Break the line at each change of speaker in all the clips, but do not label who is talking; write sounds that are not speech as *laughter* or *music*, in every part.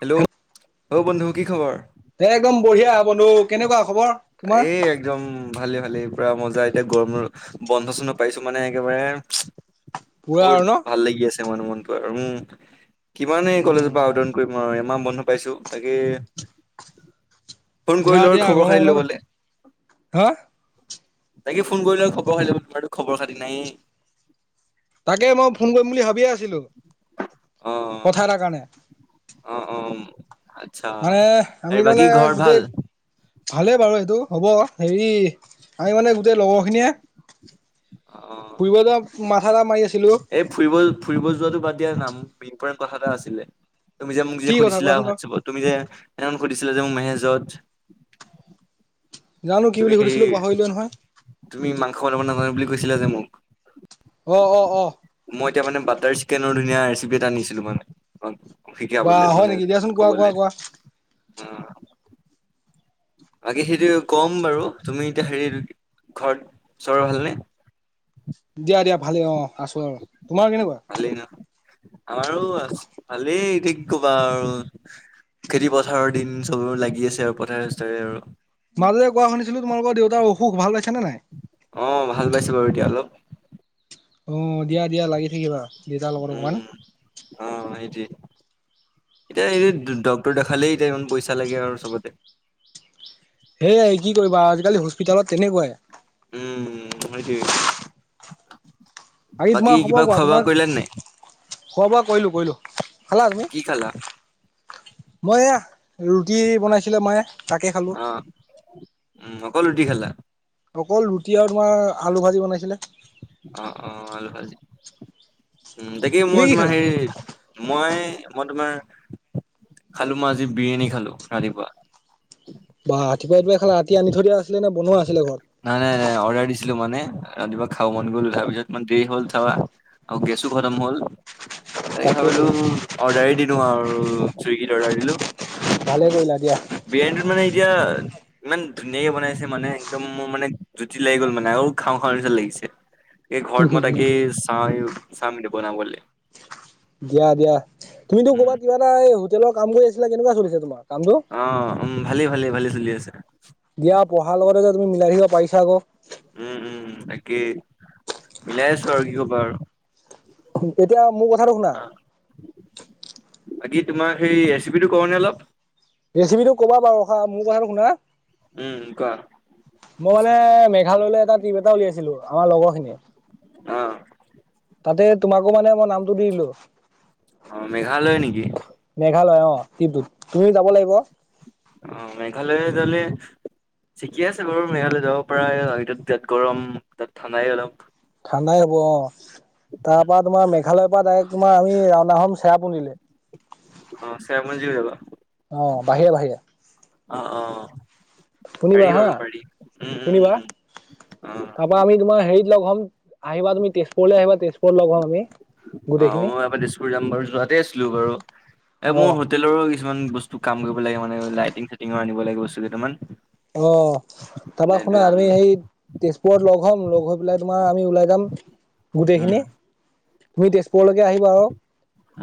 Hello অ বন্ধু কি খবৰ?
দে একদম বঢ়িয়া বন্ধু কেনেকুৱা খবৰ তোমাৰ?
এই একদম ভালে ভালে। পূৰা মজা এতিয়া গৰমৰ বন্ধ চন্ধ পাইছো মানে একেবাৰে।
পুৰা
বহুত
আৰু ন?
ভাল লাগি আছে মানে মনটো আৰু উম কিমানেই কলেজৰ
উম
পৰা আৱ দাউন কৰিম আৰু এমাহ বন্ধ পাইছো তাকে ফোন
ধুনীয়া
কৰিলো আৰু
দিয়া
খবৰ
গৰমৰ
খাতি
বন্ধত
ল'ব
হা
তাকে ফোন কৰিলো খবৰ খাতি লব তোমাৰো খবৰ খাতি নাই।
তাকে মই ফোন কৰিম বুলি ভাবিয়ে আছিলো
অ
কথা এটাৰ কাৰণে।
অ অ আচ্ছা
মানে আমি
আৰু বাকী
তাৰমানে
ঘৰত ভাল?
গোটেই। ভালে বাৰু এইটো হ'ব হেৰি আমি মানে গোটেই লগৰ খিনিয়ে।
অ
ফুৰিবলৈ যোৱা মাথা এটা মাৰি আ
এই ফুৰিব ফুৰিব যোৱাাটো বাদ দিয়া না মো ইম্পট কথা এটা আছিলে তুমি যে মোক
কি
যে
কথা
সুধিছিলা
কোৱাচোন বাৰু?
হোৱাটচাপত তুমি যে এনেকে সুধছিলা। ল যওঁ মেছেজত
জানো কি
তুমি
বুলি
সেই
সুধিছিলো পাহৰিলোৱে নহয়
তুমি মাংস বনাব নাজানো বুলি কৈছিলা যে মোক।
অঁ অঁ অঁ
মই এতিয়া মানে বাটাৰ চিকেনৰ ধুনীয়া ৰেচিপি এটা আনিছিলো মানে মাং
বা
শিকাবলৈ
হয়
মানে
নেকি দিয়াচোন কোৱা কোৱা
কবলৈ
কোৱা
অ। বাকী সেইটো ক'ম বাৰু তুমি এতিয়া হেৰিটো ঘৰ চৰৰ ভালনে
দিয়া দিয়া ভালেই অ আছো আৰু তোমাৰ কেনেকুৱা।
ভালেই ন আমাৰো আ ভালেই এতিয়া কি কবা আৰু। খেতি পথাৰৰ দিন চবৰে লাগি আছে আৰু পথাৰে চথাৰে আৰু
মাজে কোৱা শুনিছিলো তোমালোকৰ দেউতাৰ অসুখ ভাল পাইছে নে নাই?
অ ভাল পাইছো বাৰু এতিয়া অলপ।
অ দিয়া দিয়া লাগি থাকিবা। দেউতাৰ লগত অকমান
উম অ এইতি এতিয়া এই ড্ক্তৰ দেখালেই এতিয়া ইমান পইচা লাগে আৰু চবতে।
সেয়াইে কি কৰিবা আজিকালি হস্পিতাল তেলত তেনেকুৱাই।
উম মট
আাকি তোমাৰ খবৰ কোৱা তোমাৰ
নাই
খোৱা বোৱা কলো কলো খালা তুমি।
কি খালা
মই এয়া ৰুটি বনাইছিলে মায়ে। তাকে খালো
অ উম অকল লুটি খালাঁ?
অকল ৰুটি আৰু তোমাৰ আলু ভাজি বনাইছিলে,
অ অ উ তাকে
তুমি
মই
কি
তোমাৰ
খালা
হেৰি মই মই তোমাৰ খালো মই আজি বিৰিয়ানী খালো ৰাতিপুৱা।
বা ৰাতিপুৱাই এইাই খালে ৰাতি আনি থৈ দিয়া আছিলে নে বনোৱা আছিলে ঘৰত?
ছিলো মানে ৰাতিপুৱা খাও মন গ'ল উঠাৰ পিছত ইমান দেৰি হ'ল থাৱা। আৰু গেছো খৰম হ'ল এনেকে
তাকেইতো
ভাবিলো অৰ্ডাৰ দিলো আৰু চুইগীত অৰ্ডাৰ দিলো
ভালে কৈলা
বি এনড মানে এ ইমান ধুনীয়াকে বনাইছে মানে একদম মোৰ মানে জুতি লাগি গ'ল মানে আৰু খাওঁ খাওঁ নিচা লাগিছে। এই ঘৰত মত কি চ চ ম দিব নাম গলে
দিয়া দিয়া তুমিতো ক'ৰবাত কিবা এটা এই হোটেলৰ কাম কৰি আছিলা কেনেকুৱা চলিছে তোমাৰ কামটো
অ উ ভালেই ভালেই ভালে চলি আছে
দিয়া পঢ়াৰ লগতে যে তুমি মিলাই থাকিবা পাৰিছা আকৌ
উম উম একেই মিলাই আছো আৰু কি কবা আৰু
এতিয়া মোৰ কথাটো শুনা
অ', বাকী তোমাৰ সেই ৰেচিপিটো কওনে অলপ
ৰেচিপি টো ক'ৰপৰা পাওঁ ৰখা মোৰ জেগাটো কোনে
উম, কোৱা
মই হ'লে মেঘালয়লৈ এটাক টিম এটা উলিয়াইছিলোঁ আমাৰ লগৰ খিনিয়ে।
অ'
তাতে তোমাকো মানে মই নামটো দি দিলোঁ।
অ', মেঘালয় নেকি?
মেঘালয় অ' টিমটোত তুমিও যাব লাগিব।
অ' মেঘালয়ত হ'লে ঠিকে আছে বাৰু মেঘালৈ যাব পাৰে তাত গৰম তাত ঠাণ্ডাই অলপ
ঠাণ্ডাই হ'ব অ' তাৰপৰাৰ তোমাৰ মেঘালয়ৰ পৰা ডাইৰেক্ট তোমাৰ আমি ৰাওনা হম চেৰাপুঞ্জী লৈ।
অ' চেৰাপুঞ্জীৰ যাবা।
অ' বাহিৰে বাহিৰে।
অ' অ'।
শুনিবা
পাৰি
হা
বাৰু পাৰি উম,
শুনিবা
উম, উম
তাৰপাৰ আমি তোমাৰ হেৰিত একলগ হ'ম আহিবা তুমি তেজপুৰলৈ আহিবা তেজপুৰত লগ হ'ম আমি
অ',
গোটেইখিনি
মই এবাৰ তেজপুৰ যাম বাৰু, যোৱাতে আছিলো বাৰু, এ
অ
মোৰ
অ
হোটেলৰো কিছুমান বস্তু কাম কৰিব লাগে মানে, লাইটিং চাইটিঙৰ আনিব লাগে বস্তু কেইটামান।
অ', তাৰপা শুনা
সেইটোৱে
তুমি
আনিম।
সেই তেজ *unintelligible* লগ হ'ম, লগ হৈ পেলাই তোমাৰ আমি ওলাই যাম
উম,
গোটেইখিনি তুমি তেজপুৰলৈকে আহিবা আৰু,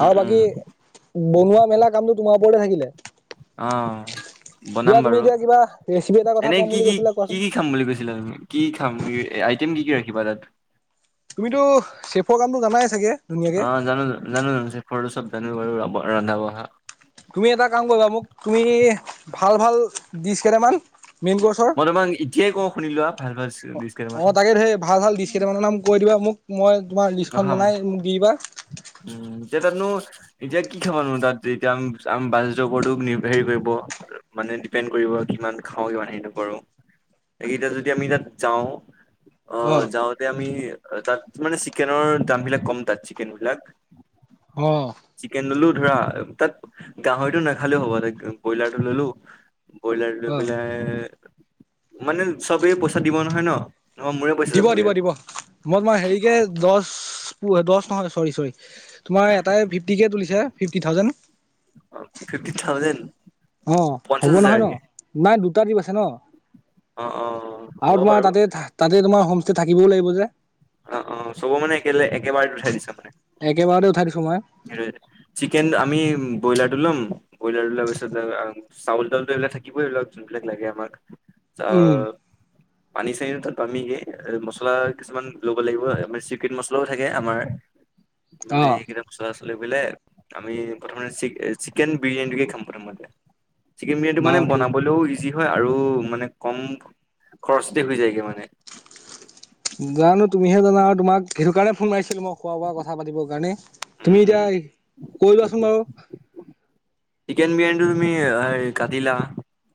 উম,
আৰু
উম।
বাকী বনোৱা মেলা কামটো তোমাৰ ওপৰতে থাকিলে।
অ', বনাম
দিয়া তুমি
বাৰু।
এতিয়া কিবা ৰেচিপি এটা কথা
এনেই
ক'ম বুলি কৈছিলা কোৱাচোন
কি-কি-কি-কি খাম বুলি কৈছিলা তুমি? কি খাম আইটেম কি কি ৰাখিবা তাত?
তুমিতো চেফৰ কামটো জানাই চাগে? ধুনীয়াকে
অ', জানো জানো, জানো জানো, চেফৰটো চব জানো বাৰু ৰন্ধা বঢ়া।
তুমি এটা কাম কৰিবা, মোক তুমি ভাল ভাল দিছ কেইটামান মেইন কৰ্চৰ
মই তোমাক এতিয়াই কওঁ শুনি লোৱা ভাল ভাল ডিচ কেইটামান
অ', তাকে ধেই ভাল ভাল দিছ কেইটামানৰ নাম কৈ দিবা মোক, মই তোমাৰ লিষ্টখন
খাম
বনাই মোক দি দিবা।
উম এতিয়া তাতনো এতিয়া কি খাবানো তাত, এতিয়া আ বাজেতৰ ওপৰতো নিৰ্ভ হেৰি কৰিব, মানে ডিপেণ্ড কৰিব ইমান খাওঁ কিমান সেই নকৰো, এইকেতিয়া যদি আমি তাত যাওঁ অ', যাওঁতে আমি তাত মানে চিকেনৰ দামবিলাক কম তাত, চিকেনবিলাক,
অ
চিকেন ললো ধৰা তাত, গাহৰিটো নাখালেও হ'ব, ব্ৰইলাৰটো ললো। ব্ৰইলাৰ লৈ
অ
পেলাই, মানে চবেই পইচা দিব নহয় ন? নহবা মোৰে পইচা
দিব
যাবগে
দিব দিব, মই তোমাক হেৰিকে দহ *unintelligible* দহ নহয় দে, চৰি চৰি। তোমাৰ এটাই ফিফটিকে তুলিছে, ফিফটি থাউজেণ্ড।
ফিফটি থাউজেণ্ড
অ',
পঞ্চাশ
হ'ব নহয় ন?
হাজাৰকে
নাই দুটা টীম আছে ন।
অ অ
আৰু
হ'ব
তোমাৰ
বাৰু
তাতে তাতে তোমাৰ হোমষ্টে থাকিবও লাগিব যে।
অ' অ' চ'ব মানে একলে একেবাৰে উঠাই দিছা মানে
একেবাৰতে উঠাই দিছো মই
চিকেন আমি ব্ৰইলাৰ টো লম ব্ৰইলাৰ টো লোৱাৰ পিছত চাউল টাউল এইবিলাক থাকিবই লওঁক যোনবিলাক লাগে আমাক
উম
আহ পানী চানী তাত পামিগে মছলা কিছুমান ল'ব লাগিব আমাৰ চিক্ৰেট মচলাও থাকে আমাৰ
অ
মানে এইকেটাপ পাছলৈ বোলে আমি প্ৰথমতে চিকেন বিৰিয়ানীটোকে খাম প্ৰথমতে চিকেন বিৰিয়ানীটো মানে
বাৰু ঠিক
বনাবলৈও ইজি হয় আৰু মানে কম খৰচতে হৈ যায়গৈ মানে। *inaudible*
জানোঁ তুমিহে জানা আৰু তোমাক সেইটো কাৰণে ফোন মাৰিছিলোঁ। মই খোৱা বোৱা কথা পাতিবৰ কাৰণে।
উম
তুমি এতিয়া
উম
কৈয় লোৱাচোন বাৰু।
চিকেন বিৰিয়ানীটো তুমি কাটিলা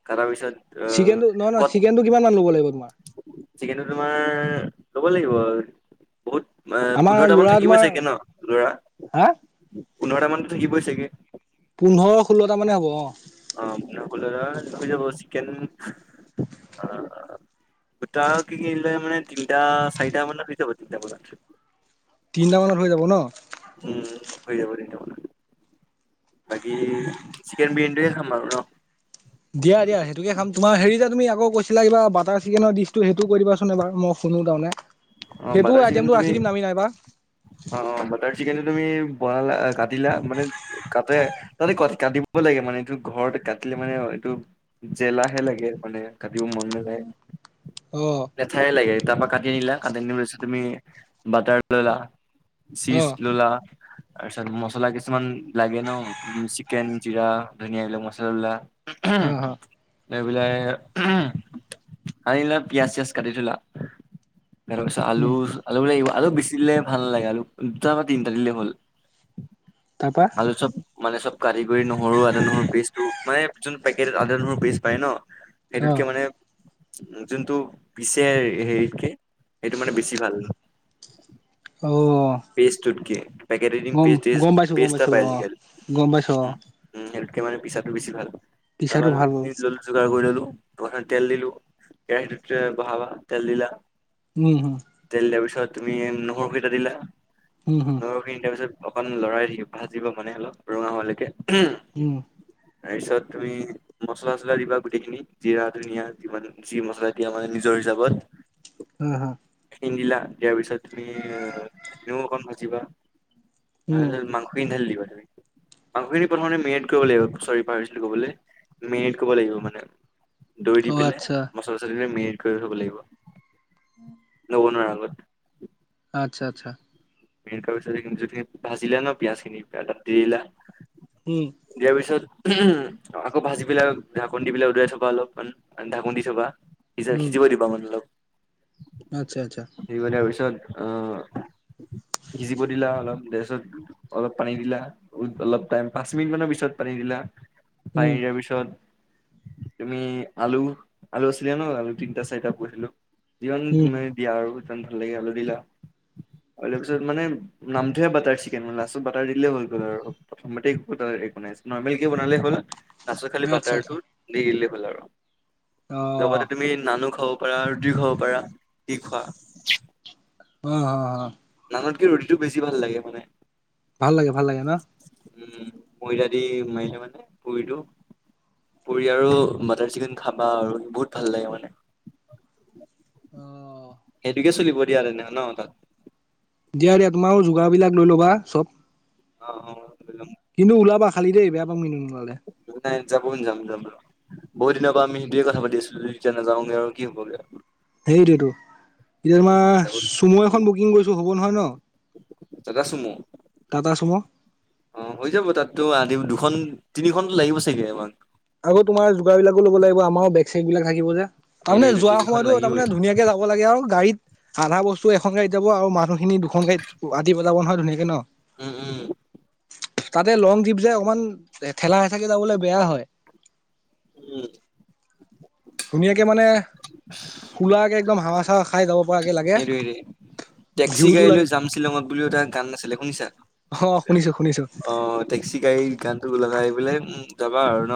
কাটাৰ পিছত আহ
চিকেনটো নহয় নয়
কত
চিকেনটো কিমান মান ল'ব লাগিব তোমাৰ।
চিকেনটো তোমাৰ ল'ব লাগিব আৰু বহুত
আমাৰ
পোন্ধৰটা মান
ল'ৰা
থাকিবই
তোমাৰ
চাগে ন লৰা
হা
পোন্ধৰটা মানতো থাকিবই চাগে।
পোন্ধৰ ষোল্ল মান হ'বঁ।
অ' ফুল হৈ যাব চিকেন অ' গোটা কে কিনিল মানে তিনিটা চাৰিটা মানাব তিনটামান
তিনিটামানত হৈ যাব ন
উম, হৈ যাব তেন্ত ম বাকী চিকেন বিৰিয়ান। খামা বাৰু ন।
দিয়া-দিয়া সেইটোকে খাম তোমাৰ হেৰি যে তুমি আকৌ কৈছিলা কিব বাটাৰ চিকেনৰ দিিটো সেইটোও কৰি দিবাচোন এবাৰ মোক কোনো ধণে
অ' বটাৰ চিকেন তুমি অ বটাৰ চিকেন। তুমি বনালা কাটিলা মানে কাটে তাতে কাটিব লাগে মানে ঘতে কাট মানে এইটো জেলাহে লাগে মানে কাটিব মন নাযায়।
অ',
লেঠাই লাগে তাৰ পৰাা কাটি নিলা কাটিৈছ তুমি বাটাৰ ললা। চিচ
অ',
ললা। তাৰপিছত মচলা কিছুমান লাগে ন চিকেন জিৰা ধুনিয়াবিলাক মচলাবলা।
অহ হ,
লৈ পেলাই আনিলে পিযাজ চিয়াজ কাটি থলা। তাৰপিছত
উম,
আলু-আলু বো আলু বেচি দিলে ভাল নালাগে আলু দুটা বা তিনিটা দিলে হ'ল।
তাৰপা
আলু চব মানে চব কাটি কৰি নহৰু আদা নহৰু পেচ টো মানে যোন পেকেটত আদা নহৰু পেচ পায় ন। সেইটোতকে
অ',
মানে যোনটো পিছে হেৰিতকে। এইটো মানে বেছি ভাল।
অ',
পেষ্ট তোটকে পেকেটজি পে
গম গম পাইছো গম
পেষ্ট এটা
পাইছো
পায়
অ',
আজিকালি
গম পাইছো অ'
উম উম, সেইটোতকে মানে পিছাটো বেছি ভাল তাৰ
টিচাৰটো ভাল
সইখিনি আনি ললো যোগাৰ কৰি ললো প্ৰথমতে তেল দিলো কেৰাহীটোত বহাবা তেল দিলা
উম, হম,
তেল দিয়াৰ পিছত তুমি নহৰুকেইটা দিলা,
উম, হম,
নহৰুখিনি দিয়াৰ পিছত, অকন লৰাই ভাজিব মানে অলপ ৰঙা হোৱালৈকে।
উম।
তাৰ পিছত তুমি মছলা চছলা দিবা গোটেইখিনি, জিৰা, ধনিয়া, যিমান যি মছলা দিয়া মানে নিজৰ যাবত
উম হুম।
*unintelligible* কন্ দিলা। দিয়াৰ পিছত তুমি এনেও অকণ ভাজিবা। লাহে
উম,
লাহে মাংস খিনি ঢালি দিবা তুমি। মাংসখিনি প্ৰথমতে মেৰিট কৰিব লাগিব, চৰি পাহৰিছিলো কবলে। মেৰিট কৰিব লাগিব মানে। ধুই দি
অ',
পেলাই,
আচ্ছা,
মছলা চছলা দি মেৰিট কৰি থব লাগিব।
উ *inaudible*
ক'ব নোৱাৰা আগত।
আচ্ছা,
মেৰিট কৰা পিছত সেইখিনি যদি ভাজিলা ন পিয়াজ খিনি, ত তাত দি দিলা,
উম,
দিয়া পিছত, উমহুম। আকৌ ভাজি পেলাই ঢাকন দি পেলাই উদুৱাই থবা অলপমান, ঢাকন দি থবা। সিজাৰ
উম।
সিজিব দিবা মানে অলপ।
আচ্ছা আচ্ছা।
অ। সিজিব দিলা অলপ, দিয়াছত, অলপ পানী দিলা, অলপ টাইম পাঁচ মিনিট মানৰ পিছত পানী দিলা, পানী
উম,
দিয়াৰ পিছত, তুমি আলু, আলু আছিলে ন, আলু তিনটা চাৰিটা কুটিলো। যিমান
উম,
তুমি দিয়া আৰু যিমান ভাল লাগে আলু দিলা। তাৰ পিছত মানে, নামটোহে বাটাৰ চিকেন লাষ্টত বাটাৰ দিলে হৈ গ'ল আৰু, প্ৰথমতে ক *unintelligible* নৰ্মেলকে বনালেই হ'ল। পাছত খালি
আচ্ছা,
বাটাৰটো
আচ্ছা,
দি দিলেই হ'ল আৰু। লগতে
অ',
তুমি নানু খাব পাৰা ৰুটি খাব পাৰা। কি খোৱা?
অ' অ' অ'।
আনতকে ৰ'দীটো বেছি ভাল লাগে মানে।
ভাল লাগে ভাল লাগে ন'।
উম ময়দা দি মাৰিলে মানে পুৰিটো পুৰি আৰু বাটাৰ চিকেন খাবা আৰু বহুত ভাল লাগে মানে।
অ',
সেইটোকে চলিব দিয়া এনে ন' তাত
তেতিয়ায়া তোমাৰো যোগাৰ ৰবিলাক লৈ ল'বা চব
অ', অ'।
কিন্তু ওলাবা খালি দেই বেয়া পাম কিন্তু নোলালে।
অ নাই যাব ন যাম যাম। বহু দিনৰ পৰা আমি সেইটোয়ে কথা পাতি আছিলোতিয়া নাযাওঁগে আৰু কি হ'বগে আৰু।
হেইৰটোৱেতো এতিয়া
উম
তোমাৰ
যাব
চুমু এখন বুকিং কৰিছোঁ হ'ব নহয় ন'
টাটা চুমু
টাটা চুমু।
অ', হৈ যাব তাতো আ দুখন তিনিখনতো লাগিব চাগে আমাক।
আক তোমাৰ যোগাৰ বিলাকো ল'ব লাগিব আমাৰ সেইবিলাক থাকিব যে
সেইটো
তাৰমানে
সেইটো
যোৱা
তিনিখন
সময়তো
লাগিবই
তাৰমানে ধুনীয়াকে যাব লাগে আৰু গাড়ীত আধা বস্তু এখন গাড়ী যাব আৰু মানুহখিনি দুখন গাড়ীত আতিব পেলাব নহয় ধুনীয়াকে ন'।
উম উম।
তাতে লং ট্ৰিপ যে অকমান ঠেলা হেচাকে যাবলৈ বেয়া হয়।
উম।
ধুনীয়াকে মানে খোলাকে একদম হাৱা চাৱা খাই যাব পৰাকে লাগে
হেইটোৱে, টেক্সি
ভিউটো
গাড়ী লৈ
লাগে
জাম শ্বিলঙত বুলিও এটা গান নাছিলে শুনিছা?
অ শুনিছো শুনিছো
অ', টেক্সি গাড়ীৰ গান টো লগাই আহ পলে উ যাবা আৰু ন'।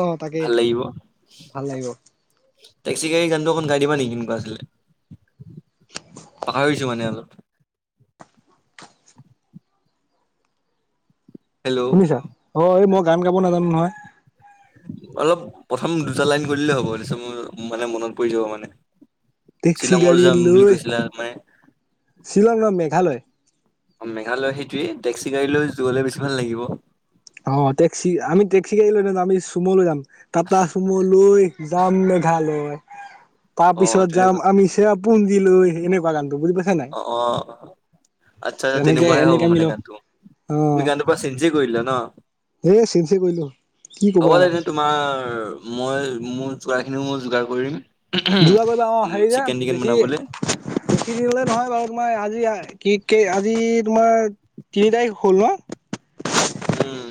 অ তাকে
ভাল লাগিব।
ভাল লাগিব
টেস্কী গা়ড়ী গান অকণ গাই দিবাে নিকি কেনেকুৱা আছিলে। পাহৰিছো মানে অলপ। হেল্ল'
শুনিছা অ', এই মই গান গাব নাজানো নহয়।
অলপ প্ৰথম দুটা লাইন কৰি দিলেই হ'ব মানে মনত পৰি যাব মানে।
টেক্সি
শ্বিলঙৰ
গাড়ী
যাম বুলি
লৈ
কৈছিলে মানে।
শ্বিলং ন মেঘালয়।
মেঘালয় সেইটোৱে টেক্সি গাড়ী লৈ যোৱলে বেছি ভাল লাগিব।
অ', টেক্সি আমি টেক্সি গা়ড়ী লৈ নাযাওঁ আমি চুম লৈ যাম। টাটা চুম লৈ যাম মেঘালয়। তাৰ
অ'
পিছত যাম
তেনেকুৱা
আমি চেৰাপুঞ্জিলৈ এনেকুৱা গানটো বুজি পাইছা নাই
অ', অ', আচ্ছা
তেনেকে
তেনেকুৱাহে হ'ব
এনেকে আমি
মানে
ল
গানটো।
অ
তুমি গানটোপা চেনজে কৰিলা ন'
এ চিনচে কৰিলো কি
হ'ব
কবা
দে তোমাৰ। মই মোৰ যোগাৰখিনিও মই যোগাৰ কৰিম।
দুলা কৰিবা অ',
উম
হেৰি যে
চিকেন টিকেন
বেছি বে
বনাবলে
*unintelligible* দিলে নহয় বাৰু তোমাৰ আজি কি আজি তোমাৰ তিনি তাৰিখ হ'ল ন'।
উম।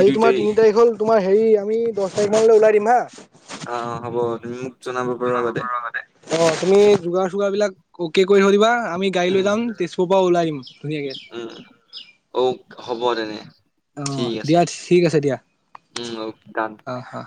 আজি তোমাৰ তিনি তাৰিখ হ'ল তোমাৰ হেৰি আমি দহ তাৰিখ মানলৈ ওলাই দিম হা।
অ', অ', হ'তুমি মোক জনাবা পাৰ আগতে
অ', তুমি যুগাৰ চুগাৰ বিলাকক কৰি থৈ দিবা। আমি গাড়ী লৈ
উম
যাম তেজপুৰ পৰা ওলাই আহম
উম অ
ধুনীয়াকে।
হ'ব তেনে।
অ
ঠিক আছে।
দিয়া ঠিক আছে দিয়া
উ
অ অ